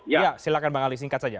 ya silakan bang ali singkat saja